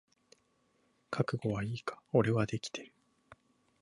覚悟はいいか？俺はできてる。